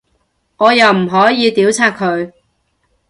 我又唔可以屌柒佢